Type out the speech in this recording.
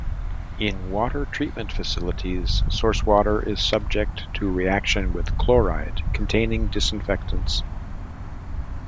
In water treatment facilities, source water is subject to reaction with chloride containing disinfectants.